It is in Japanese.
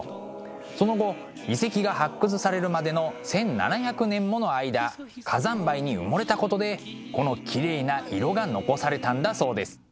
その後遺跡が発掘されるまでの１，７００年もの間火山灰に埋もれたことでこのきれいな色が残されたんだそうです。